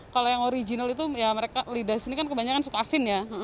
kalau yang original itu ya mereka lidah sini kan kebanyakan suka asin ya